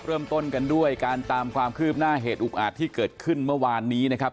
เริ่มต้นกันด้วยการตามความคืบหน้าเหตุอุกอาจที่เกิดขึ้นเมื่อวานนี้นะครับ